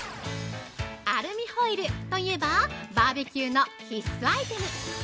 ◆アルミホイルといえばバーベキューの必須アイテム！